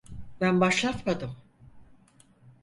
Ben başlatmadım.